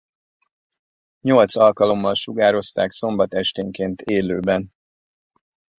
Nyolc alkalommal sugározták szombat esténként élőben.